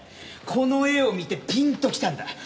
この絵を見てピンときたんだ。